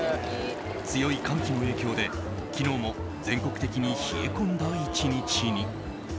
強い寒気の影響で昨日も全国的に冷え込んだ１日に。